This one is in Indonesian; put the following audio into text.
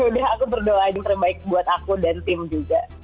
udah aku berdoain terbaik buat aku dan tim juga